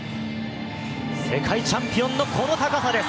世界チャンピオンのこの高さです。